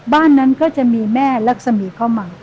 บ้านนั้นก็จะมีแม่ลักษมีศเข้ามา